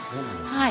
はい。